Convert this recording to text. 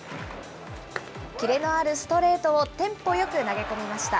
キレのあるストレートをテンポよく投げ込みました。